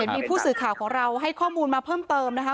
มีผู้สื่อข่าวของเราให้ข้อมูลมาเพิ่มเติมนะคะ